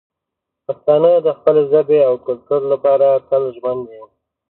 پښتانه د خپلې ژبې او کلتور لپاره تل ژمن دي.